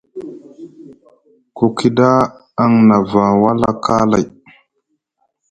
Ku kida aŋ nava wala kaalay.